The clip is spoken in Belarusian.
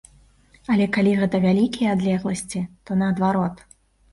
Але калі гэта вялікія адлегласці, то наадварот.